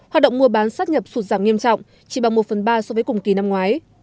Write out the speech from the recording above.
hoạt động mua bán sát nhập sụt giảm nghiêm trọng chỉ bằng một phần ba so với cùng kỳ năm ngoái